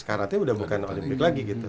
karate udah bukan olympic lagi gitu